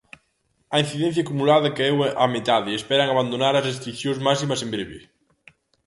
A incidencia acumulada caeu á metade e esperan abandonar as restricións máximas en breve.